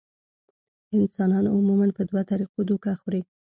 انسان عموماً پۀ دوه طريقو دوکه خوري -